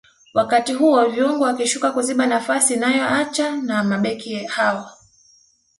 wakati huo viungo wakishuka kuziba nafasi inayoacha na mabeki hao